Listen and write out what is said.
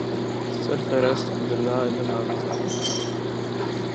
سر فہرست Abdullah ibn Ubayy تھا